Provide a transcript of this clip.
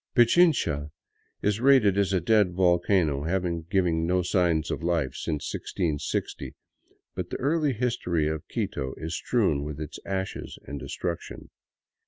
Pichincha is rated a dead volcano, having given no siigns of life since 1660; but the early history of Quito is strewn with its ashes and destruction.